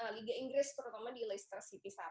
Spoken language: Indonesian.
liga inggris terutama di leicester city saat itu